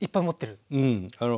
うん。